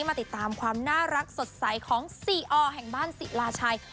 มาติดตามความน่ารักสดใสของซีอแห่งบ้านศิลาชัย